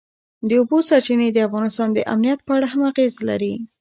د اوبو سرچینې د افغانستان د امنیت په اړه هم اغېز لري.